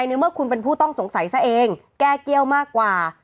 ในเมื่อคุณเป็นผู้ต้องสงสัยซะเองแก้เกี้ยวมากกว่า